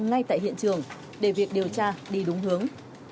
ngay tại hiện trường để việc điều tra đi đúng hướng